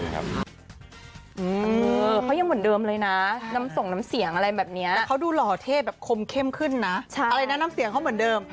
ขอบคุณครับ